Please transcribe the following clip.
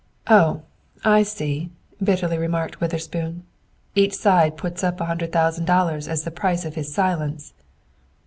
"Oh! I see," bitterly remarked Witherspoon. "Each side puts up a hundred thousand dollars as the price of his silence!"